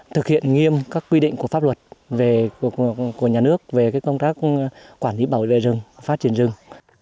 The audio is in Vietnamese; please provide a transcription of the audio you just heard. thực hiện nghiêm các quy định của pháp luật của nhà nước về công tác quản lý bảo vệ rừng phát triển rừng